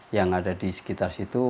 yang ada di sekitar situ